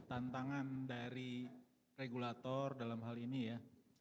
tantangan dari regulator dalam hal ini ya